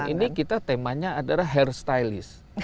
ini kita temanya adalah hair stylist